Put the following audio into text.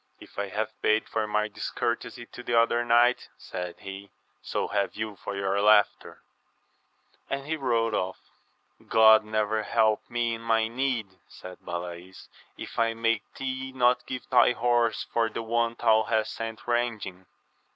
If I have paid for my discourtesy to the other knight, said he, so have you for your laughter ;— ^and he rode off. God never help me in my need, said Balays, if I make thee not give thy horse for the one thou hast sent ranging